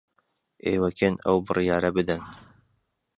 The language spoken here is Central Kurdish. ئێوە کێن ئەو بڕیارە بدەن؟